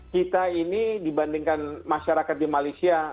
kita ini dibandingkan masyarakat di malaysia